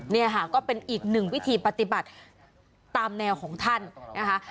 นี่ค่ะก็เป็นอีกหนึ่งวิธีปฏิบัติตามแนวของท่านนะคะ